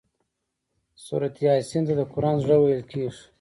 سورة یس ته د قران زړه ويل کيږي